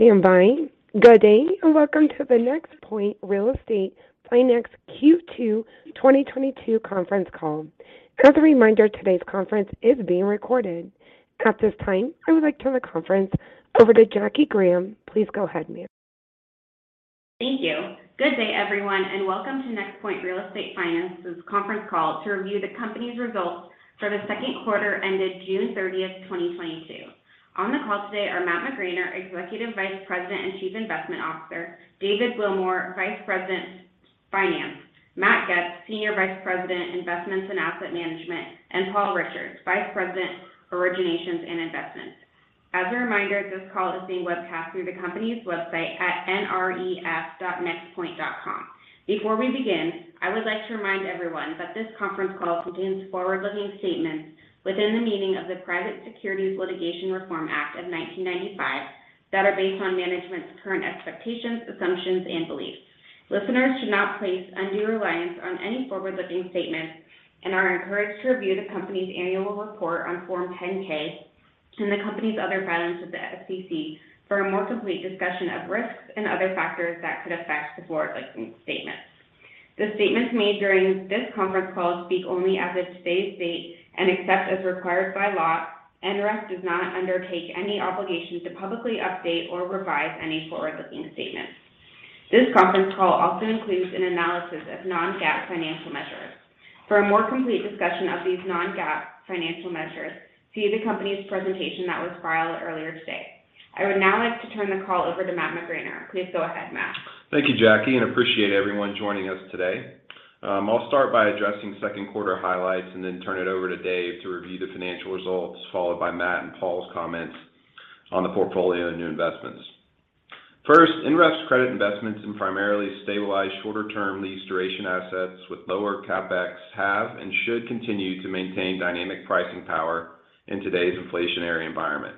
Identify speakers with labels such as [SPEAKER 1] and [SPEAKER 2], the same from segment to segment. [SPEAKER 1] Please stand by. Good day, and welcome to the NexPoint Real Estate Finance Q2 2022 conference call. As a reminder, today's conference is being recorded. At this time, I would like to turn the conference over to Jackie Graham. Please go ahead, ma'am.
[SPEAKER 2] Thank you. Good day, everyone, and welcome to NexPoint Real Estate Finance's conference call to review the company's results for the second quarter ended June 30th, 2022. On the call today are Matt McGraner, Executive Vice President and Chief Investment Officer, David Willmore, Vice President, Finance, Matt Goetz, Senior Vice President, Investments and Asset Management, and Paul Richards, Vice President, Originations and Investments. As a reminder, this call is being webcast through the company's website at nref.nexpoint.com. Before we begin, I would like to remind everyone that this conference call contains forward-looking statements within the meaning of the Private Securities Litigation Reform Act of 1995 that are based on management's current expectations, assumptions, and beliefs. Listeners should not place undue reliance on any forward-looking statements and are encouraged to review the company's annual report on Form 10-K and the company's other filings with the SEC for a more complete discussion of risks and other factors that could affect the forward-looking statements. The statements made during this conference call speak only as of today's date and except as required by law, NREF does not undertake any obligation to publicly update or revise any forward-looking statements. This conference call also includes an analysis of non-GAAP financial measures. For a more complete discussion of these non-GAAP financial measures, see the company's presentation that was filed earlier today. I would now like to turn the call over to Matt McGraner. Please go ahead, Matt.
[SPEAKER 3] Thank you, Jackie, and appreciate everyone joining us today. I'll start by addressing second quarter highlights and then turn it over to Dave to review the financial results, followed by Matt and Paul's comments on the portfolio and new investments. First, NREF's credit investments in primarily stabilized shorter-term lease duration assets with lower CapEx have and should continue to maintain dynamic pricing power in today's inflationary environment.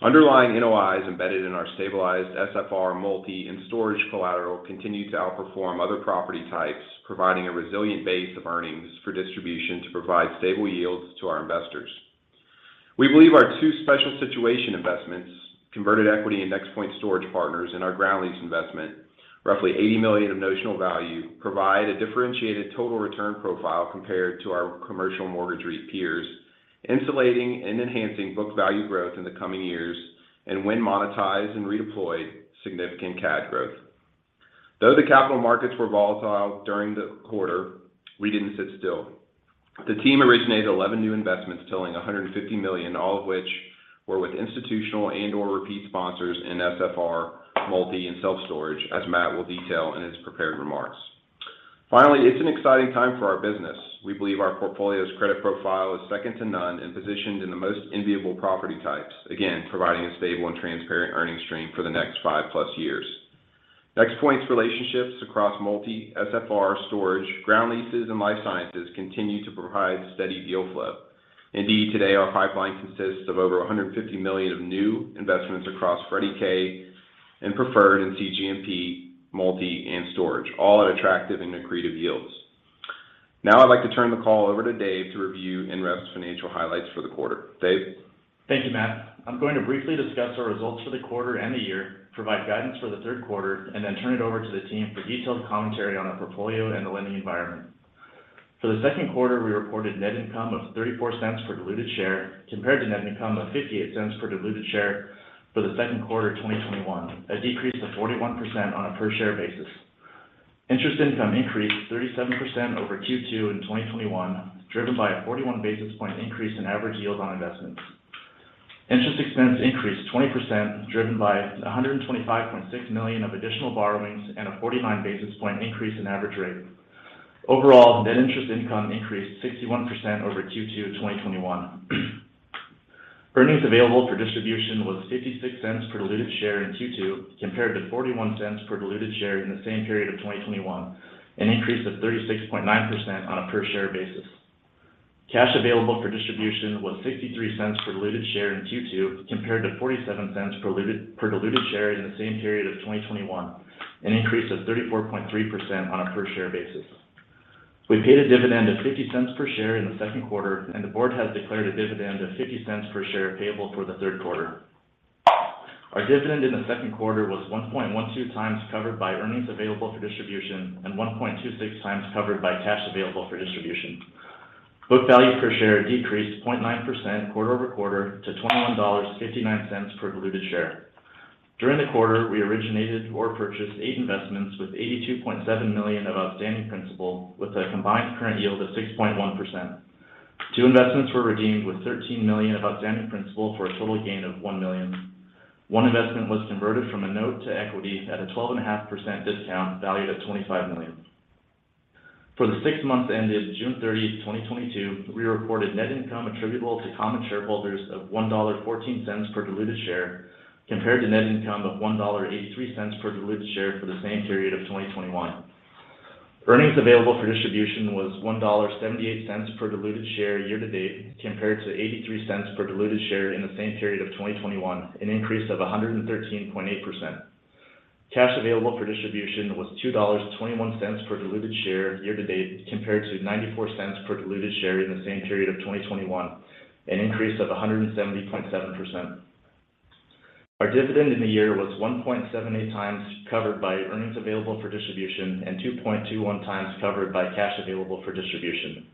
[SPEAKER 3] Underlying NOIs embedded in our stabilized SFR, multi, and storage collateral continue to outperform other property types, providing a resilient base of earnings for distribution to provide stable yields to our investors. We believe our two special situation investments, converted equity in NexPoint Storage Partners and our ground lease investment, roughly $80 million of notional value, provide a differentiated total return profile compared to our commercial mortgage REIT peers, insulating and enhancing book value growth in the coming years, and when monetized and redeployed, significant CAD growth. Though the capital markets were volatile during the quarter, we didn't sit still. The team originated 11 new investments totaling $150 million, all of which were with institutional and/or repeat sponsors in SFR, multi, and self-storage, as Matt will detail in his prepared remarks. Finally, it's an exciting time for our business. We believe our portfolio's credit profile is second to none and positioned in the most enviable property types, again, providing a stable and transparent earning stream for the next five plus years. NexPoint's relationships across multi, SFR, storage, ground leases, and life sciences continue to provide steady deal flow. Indeed, today our pipeline consists of over $150 million of new investments across Freddie K and preferred and CGMP, multi, and storage, all at attractive and accretive yields. Now I'd like to turn the call over to David to review NREF's financial highlights for the quarter. David.
[SPEAKER 4] Thank you, Matt. I'm going to briefly discuss our results for the quarter and the year, provide guidance for the third quarter, and then turn it over to the team for detailed commentary on our portfolio and the lending environment. For the second quarter, we reported net income of $0.34 per diluted share compared to net income of $0.58 per diluted share for the second quarter of 2021, a decrease of 41% on a per share basis. Interest income increased 37% over Q2 in 2021, driven by a 41 basis point increase in average yields on investments. Interest expense increased 20%, driven by $125.6 million of additional borrowings and a 49 basis point increase in average rate. Overall, net interest income increased 61% over Q2 2021. Earnings available for distribution was $0.56 per diluted share in Q2, compared to $0.41 per diluted share in the same period of 2021, an increase of 36.9% on a per share basis. Cash available for distribution was $0.63 per diluted share in Q2, compared to $0.47 per diluted share in the same period of 2021, an increase of 34.3% on a per share basis. We paid a dividend of $0.50 per share in the second quarter, and the board has declared a dividend of $0.50 per share payable for the third quarter. Our dividend in the second quarter was 1.12x covered by earnings available for distribution and 1.26x covered by cash available for distribution. Book value per share decreased 0.9% quarter-over-quarter to $21.59 per diluted share. During the quarter, we originated or purchased eight investments with $82.7 million of outstanding principal, with a combined current yield of 6.1%. Two investments were redeemed with $13 million of outstanding principal for a total gain of $1 million. One investment was converted from a note to equity at a 12.5% discount valued at $25 million. For the six months ended June 30th, 2022, we reported net income attributable to common shareholders of $1.14 per diluted share compared to net income of $1.83 per diluted share for the same period of 2021. Earnings available for distribution was $1.78 per diluted share year-to-date, compared to $0.83 per diluted share in the same period of 2021, an increase of 113.8%. Cash available for distribution was $2.21 per diluted share year-to-date, compared to $0.94 per diluted share in the same period of 2021, an increase of 170.7%. Our dividend in the year was 1.78x covered by earnings available for distribution and 2.21x covered by cash available for distribution.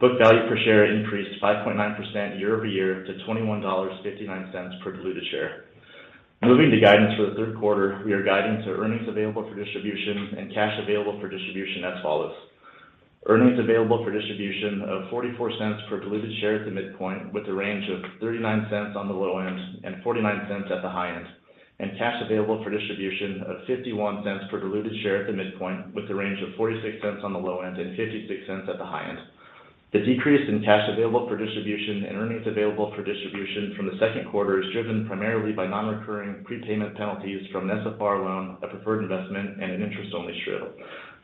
[SPEAKER 4] Book value per share increased 5.9% year-over-year to $21.59 per diluted share. Moving to guidance for the third quarter, we are guiding to earnings available for distribution and cash available for distribution as follows: earnings available for distribution of $0.44 per diluted share at the midpoint, with a range of $0.39 on the low end and $0.49 at the high end, and cash available for distribution of $0.51 per diluted share at the midpoint, with a range of $0.46 on the low end and $0.56 at the high end. The decrease in cash available for distribution and earnings available for distribution from the second quarter is driven primarily by non-recurring prepayment penalties from an SFR loan, a preferred investment, and an interest-only strip.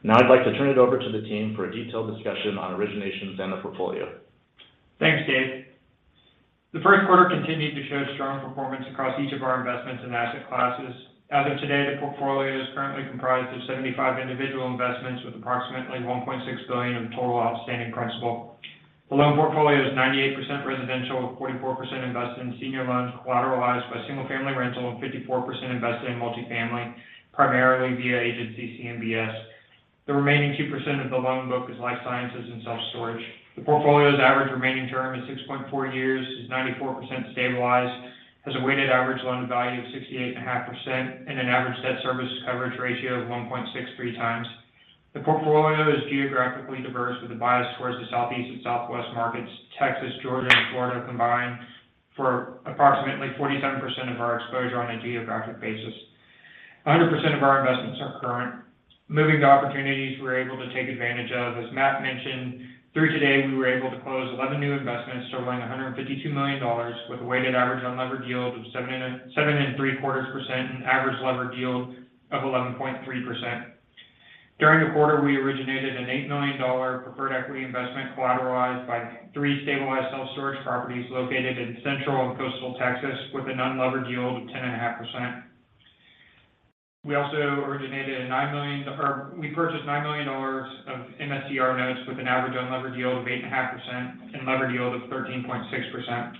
[SPEAKER 4] Now I'd like to turn it over to the team for a detailed discussion on originations and the portfolio.
[SPEAKER 5] Thanks, Dave. The first quarter continued to show strong performance across each of our investments and asset classes. As of today, the portfolio is currently comprised of 75 individual investments with approximately $1.6 billion in total outstanding principal. The loan portfolio is 98% residential, with 44% invested in senior loans collateralized by single-family rental and 54% invested in multifamily, primarily via agency CMBS. The remaining 2% of the loan book is life sciences and self-storage. The portfolio's average remaining term is six point four years, is 94% stabilized, has a weighted average loan value of 68.5%, and an average debt service coverage ratio of 1.63x. The portfolio is geographically diverse with a bias towards the Southeast and Southwest markets. Texas, Georgia, and Florida combine for approximately 47% of our exposure on a geographic basis. 100% of our investments are current. Moving to opportunities we're able to take advantage of, as Matt mentioned, through today we were able to close 11 new investments totaling $152 million with a weighted average unlevered yield of 7.75% and average levered yield of 11.3%. During the quarter, we originated an $8 million preferred equity investment collateralized by three stabilized self-storage properties located in Central and Coastal Texas with an unlevered yield of 10.5%. We also purchased $9 million of MSBR notes with an average unlevered yield of 8.5% and levered yield of 13.6%.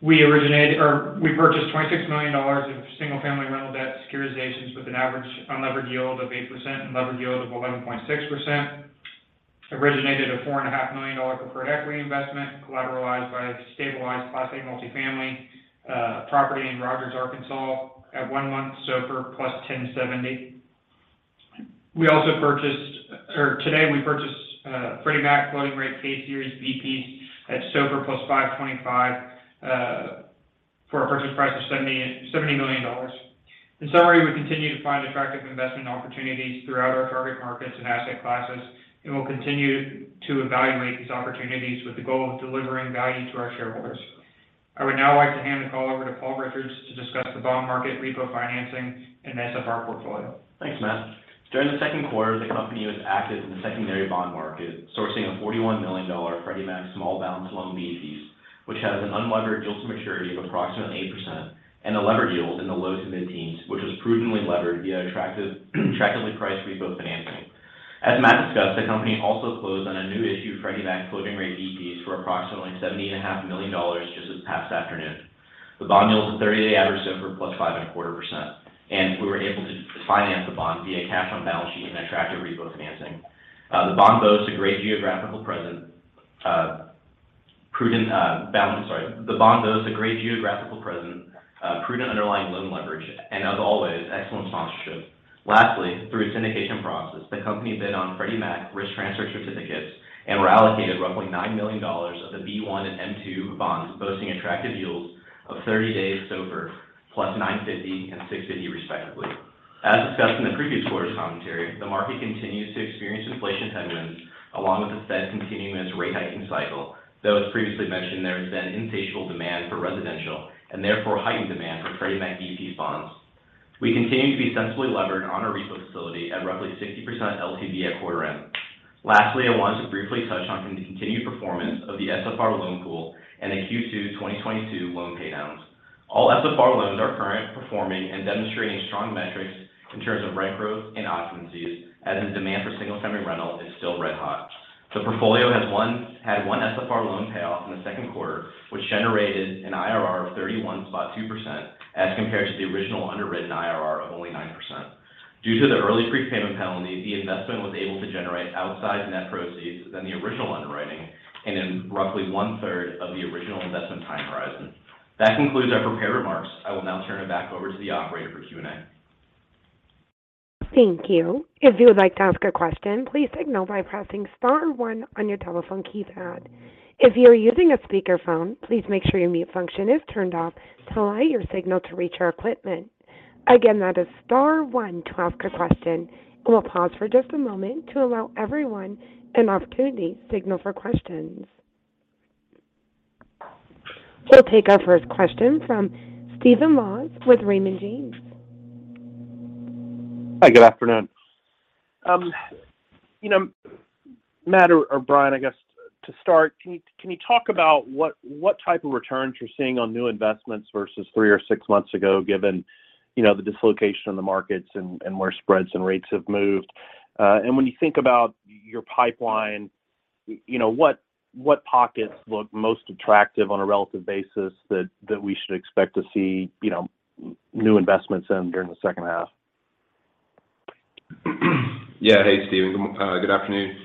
[SPEAKER 5] We originated or we purchased $26 million of single-family rental debt securitizations with an average unlevered yield of 8% and levered yield of 11.6%. Originated a $4.5 million preferred equity investment collateralized by a stabilized Class A multifamily property in Rogers, Arkansas at one month SOFR +1070. Today we purchased Freddie Mac floating-rate pay series VPs at SOFR +525 for a purchase price of $70 million. In summary, we continue to find attractive investment opportunities throughout our target markets and asset classes, and we'll continue to evaluate these opportunities with the goal of delivering value to our shareholders. I would now like to hand the call over to Paul Richards to discuss the bond market, repo financing, and SFR portfolio.
[SPEAKER 6] Thanks, Matt. During the second quarter, the company was active in the secondary bond market, sourcing a $41 million Freddie Mac small balance loan BP, which has an unlevered yield to maturity of approximately 8% and a levered yield in the low to mid-teens, which was prudently levered via attractively priced repo financing. As Matt discussed, the company also closed on a new issue, Freddie Mac floating-rate BPs for approximately $70.5 million just this past afternoon. The bond yields a 30 day average SOFR plus 5.25%, and we were able to finance the bond via cash on balance sheet and attractive repo financing. The bond boasts a great geographical presence, prudent underlying loan leverage, and as always, excellent sponsorship. Lastly, through a syndication process, the company bid on Freddie Mac risk transfer certificates and were allocated roughly $9 million of the B1 and M2 bonds, boasting attractive yields of 30 day SOFR plus 9.50% and 6.50% respectively. As discussed in the previous quarters commentary, the market continues to experience inflation headwinds along with the Fed continuing its rate hiking cycle. Though as previously mentioned, there has been insatiable demand for residential and therefore heightened demand for Freddie Mac BP bonds. We continue to be sensibly levered on our repo facility at roughly 60% LTV at quarter end. Lastly, I wanted to briefly touch on the continued performance of the SFR loan pool and the Q2 2022 loan paydowns. All SFR loans are currently performing and demonstrating strong metrics in terms of rent growth and occupancies as the demand for single-family rental is still red hot. The portfolio had one SFR loan payoff in the second quarter, which generated an IRR of 31.2% as compared to the original underwritten IRR of only 9%. Due to the early prepayment penalty, the investment was able to generate outsize net proceeds than the original underwriting and in roughly one-third of the original investment time horizon. That concludes our prepared remarks. I will now turn it back over to the operator for Q&A.
[SPEAKER 1] Thank you. If you would like to ask a question, please signal by pressing star one on your telephone keypad. If you are using a speakerphone, please make sure your mute function is turned off to allow your signal to reach our equipment. Again, that is star one to ask a question. We'll pause for just a moment to allow everyone an opportunity to signal for questions. We'll take our first question from Stephen Laws with Raymond James.
[SPEAKER 7] Hi, good afternoon. You know, Matt or Brian, I guess to start, can you talk about what type of returns you're seeing on new investments versus three or six months ago, given, you know, the dislocation in the markets and where spreads and rates have moved? When you think about your pipeline, you know, what pockets look most attractive on a relative basis that we should expect to see, you know, new investments in during the second half?
[SPEAKER 3] Yeah. Hey, Steven. Good afternoon.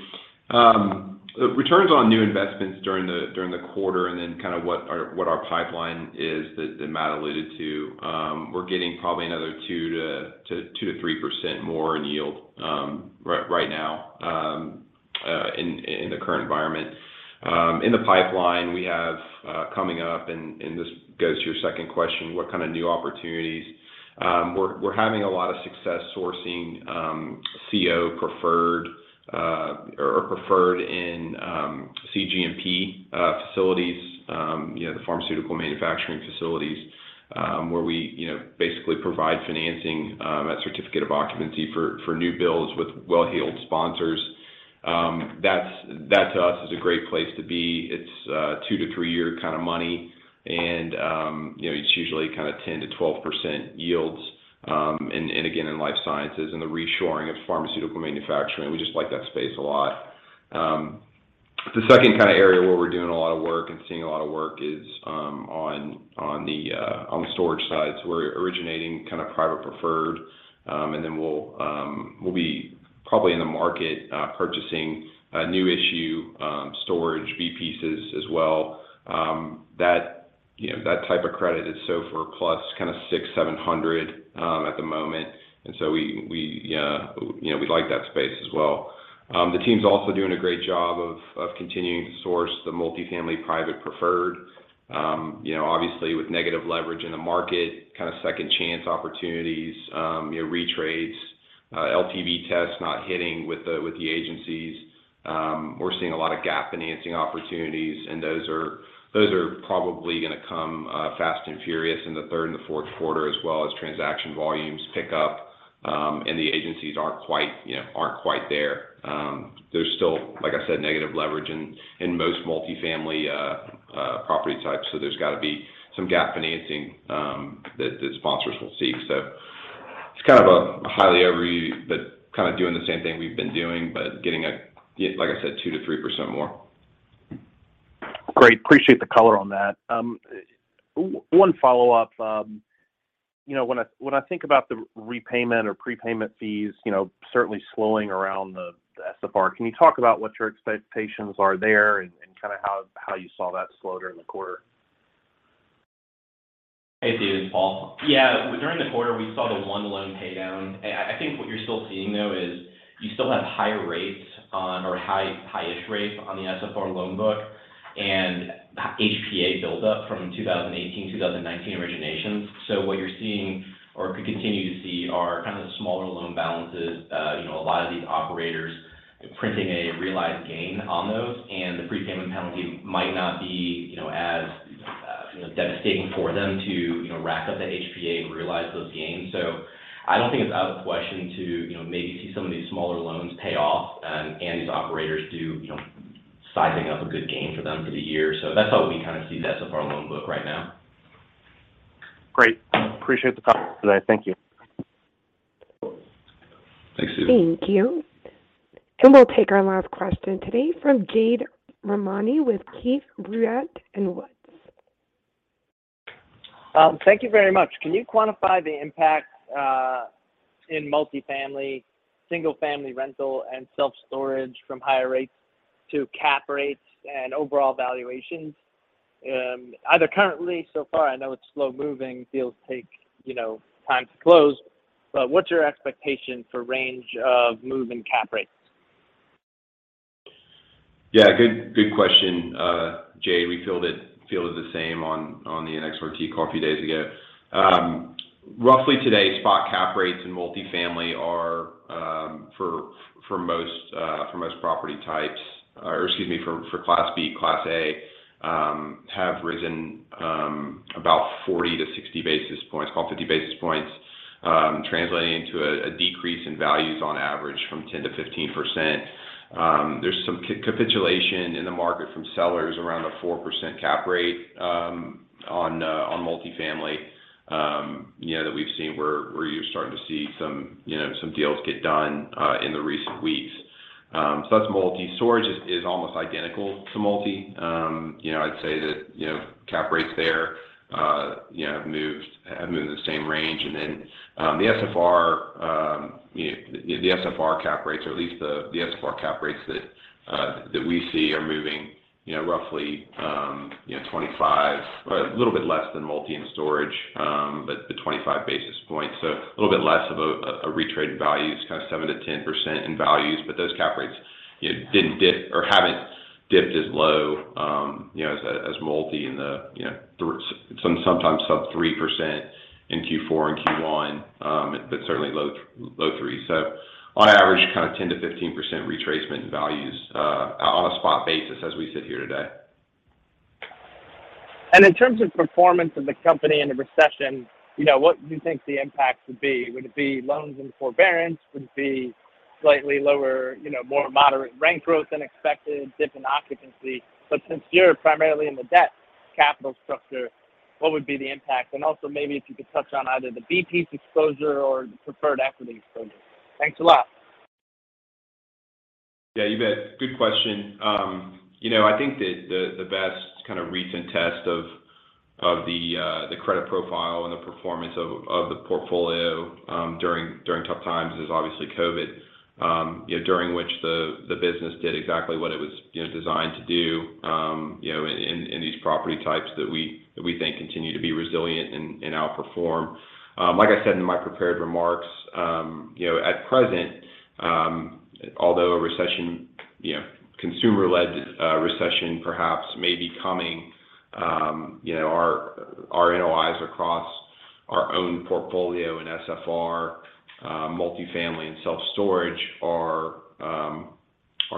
[SPEAKER 3] Returns on new investments during the quarter and then kind of what our pipeline is that Matt alluded to, we're getting probably another 2%-3% more in yield right now in the current environment. In the pipeline we have coming up, and this goes to your second question, what kind of new opportunities. We're having a lot of success sourcing C of O preferred or preferred in CGMP facilities, you know, the pharmaceutical manufacturing facilities, where we, you know, basically provide financing at certificate of occupancy for new builds with well-heeled sponsors. That to us is a great place to be. It's two to three year kind of money and, you know, it's usually kind of 10%-12% yields, and again in life sciences and the reshoring of pharmaceutical manufacturing. We just like that space a lot. The second kind of area where we're doing a lot of work and seeing a lot of work is on the storage side. We're originating kind of private preferred, and then we'll be probably in the market purchasing new issue storage B-pieces as well. That, you know, that type of credit is SOFR plus kind of 600-700 at the moment. We like that space as well. The team's also doing a great job of continuing to source the multifamily private preferred. You know, obviously with negative leverage in the market, kind of second chance opportunities, you know, retrades, LTV tests not hitting with the agencies. We're seeing a lot of gap financing opportunities, and those are probably gonna come fast and furious in the third and fourth quarter as well as transaction volumes pick up, and the agencies aren't quite there. There's still, like I said, negative leverage in most multifamily property types, so there's got to be some gap financing that sponsors will seek. It's kind of a but kind of doing the same thing we've been doing, but getting a, like I said, 2%-3% more.
[SPEAKER 7] Great. Appreciate the color on that. One follow-up. You know, when I think about the repayment or prepayment fees, you know, certainly slowing around the SFR, can you talk about what your expectations are there and kind of how you saw that slow during the quarter?
[SPEAKER 6] Hey, Stephen. Paul. Yeah. During the quarter, we saw the one loan pay down. And I think what you're still seeing, though, is you still have higher rates on or high rates on the SFR loan book and HPA buildup from 2018, 2019 originations. So what you're seeing or could continue to see are kind of the smaller loan balances. You know, a lot of these operators printing a realized gain on those and the prepayment penalty might not be, you know, as, you know, devastating for them to, you know, rack up that HPA and realize those gains. So I don't think it's out of the question to, you know, maybe see some of these smaller loans pay off and these operators do, you know, sizing up a good gain for them for the year. That's how we kind of see that SFR loan book right now.
[SPEAKER 7] Great. Appreciate the color today. Thank you.
[SPEAKER 3] Thanks, Stephen.
[SPEAKER 1] Thank you. We'll take our last question today from Jade Rahmani with Keefe, Bruyette & Woods.
[SPEAKER 8] Thank you very much. Can you quantify the impact in multifamily, single-family rental, and self-storage from higher rates to cap rates and overall valuations? Either currently so far, I know it's slow moving, deals take, you know, time to close, but what's your expectation for range of move in cap rates?
[SPEAKER 3] Yeah. Good question. Jade. We feel that feel is the same on the NXRT call a few days ago. Roughly today, spot cap rates in multifamily are for most property types or excuse me, for class B, Class A, have risen about 40-60 basis points, call it 50 basis points, translating to a decrease in values on average from 10%-15%. There's some capitulation in the market from sellers around the 4% cap rate on multifamily, you know, that we've seen where you're starting to see some, you know, some deals get done in the recent weeks. That's multi. Storage is almost identical to multi. You know, I'd say that, you know, cap rates there, you know, have moved in the same range. The SFR cap rates, or at least the SFR cap rates that we see are moving, you know, roughly, you know, 25, a little bit less than multi and storage, but the 25 basis points. A little bit less of a retracement in values, kind of 7%-10% in values. Those cap rates, you know, didn't dip or haven't dipped as low, you know, as multi in the, you know, sometimes sub-3% in Q4 and Q1, but certainly low threes. On average, kind of 10%-15% retracement in values, on a spot basis as we sit here today.
[SPEAKER 8] In terms of performance of the company in a recession, you know, what do you think the impact would be? Would it be loans and forbearance? Would it be slightly lower, you know, more moderate rent growth than expected, dip in occupancy? Since you're primarily in the debt capital structure, what would be the impact? Also maybe if you could touch on either the B-piece exposure or preferred equity exposure. Thanks a lot.
[SPEAKER 3] Yeah, you bet. Good question. You know, I think that the best kind of recent test of the credit profile and the performance of the portfolio during tough times is obviously COVID. You know, during which the business did exactly what it was designed to do, you know, in these property types that we think continue to be resilient and outperform. Like I said in my prepared remarks, you know, at present, although a recession, consumer-led recession perhaps may be coming, you know, our NOIs across our own portfolio in SFR, multifamily and self-storage are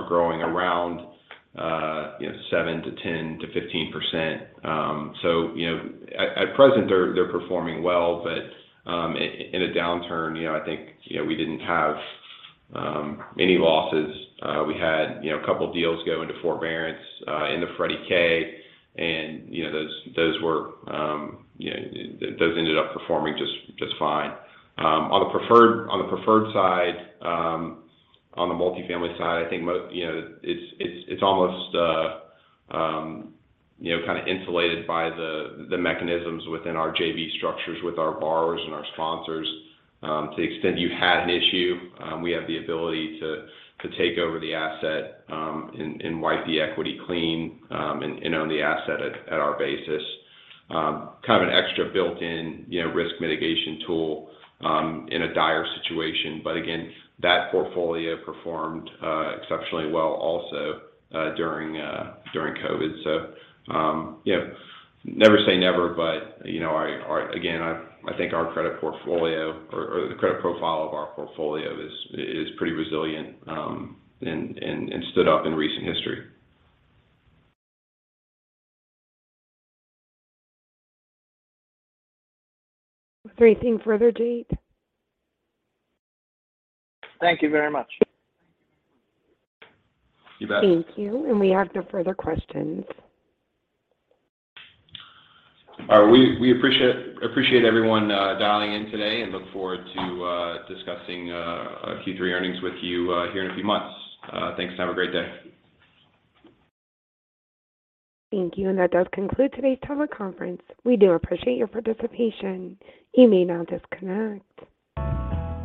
[SPEAKER 3] growing around 7% to 10% to 15%. You know, at present they're performing well. In a downturn, you know, I think, you know, we didn't have any losses. We had, you know, a couple deals go into forbearance into Freddie K, and, you know, those ended up performing just fine. On the preferred side, on the multifamily side, I think you know, it's almost you know, kind of insulated by the mechanisms within our JV structures with our borrowers and our sponsors. To the extent you had an issue, we have the ability to take over the asset and wipe the equity clean and own the asset at our basis. Kind of an extra built-in, you know, risk mitigation tool in a dire situation. Again, that portfolio performed exceptionally well also during COVID. You know, never say never, but you know, again, I think our credit portfolio or the credit profile of our portfolio is pretty resilient and stood up in recent history.
[SPEAKER 1] Anything further, Jade?
[SPEAKER 8] Thank you very much.
[SPEAKER 3] You bet.
[SPEAKER 1] Thank you. We have no further questions.
[SPEAKER 3] All right. We appreciate everyone dialing in today and look forward to discussing our Q3 earnings with you here in a few months. Thanks, and have a great day.
[SPEAKER 1] Thank you. That does conclude today's teleconference. We do appreciate your participation. You may now disconnect.